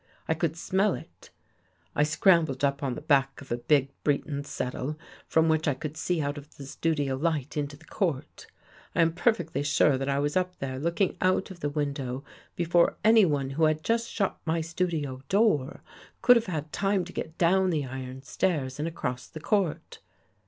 I could smell it. I scram bled up on the back of a big Breton settle from which I could see out of the studio light into the court. I am perfectly sure that I was up there looking out of the window before anyone who had just shut my studio door, could have had time to get down the iron stairs and across the court.